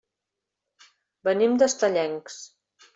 Venim d'Estellencs.